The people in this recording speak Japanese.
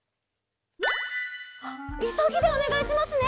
あっいそぎでおねがいしますね。